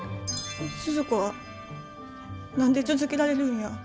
スズ子は何で続けられるんや？